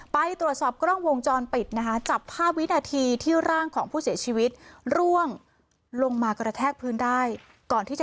ไปตรวจสอบกล้องวงจรปิดนะคะจับภาพวินาทีที่ร่างของผู้เสียชีวิตร่วงลงมากระแทกพื้นได้ก่อนที่จะ